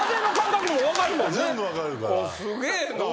すげえな。